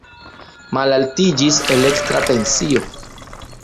Malaltiĝis elektra tensio.